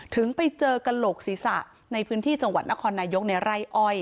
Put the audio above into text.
ถึงไปเจอกระโหลกศีรษะในพื้นที่จังหวัดนครนายกในไร่อ้อย